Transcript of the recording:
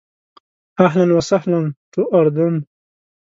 اهلاً و سهلاً ټو اردن.